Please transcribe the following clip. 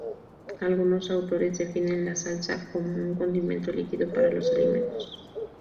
Algunos autores definen la salsa como un condimento líquido para los alimentos.